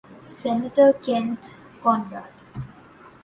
Senator Kent Conrad.